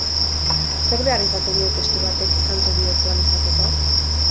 Zer behar izaten du testu batek kantu bihurtu ahal izateko?